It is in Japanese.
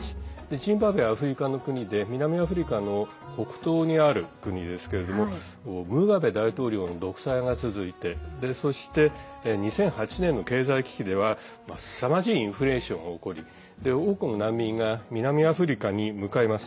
ジンバブエはアフリカの国で南アフリカの北東にある国ですけれどもムガベ大統領の独裁が続いてそして２００８年の経済危機ではすさまじいインフレーションが起こり多くの難民が南アフリカに向かいます。